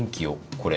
これ。